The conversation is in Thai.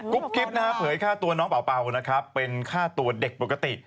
กรุ๊ปกริ๊ปนะครับเผยฆ่าตัวน้องเป่านะครับเป็นฆ่าตัวเด็กปกติ